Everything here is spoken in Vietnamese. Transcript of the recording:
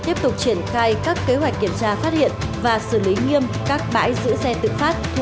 tiếp tục triển khai các kế hoạch kiểm tra phát hiện và xử lý nghiêm các bãi giữ xe tự phát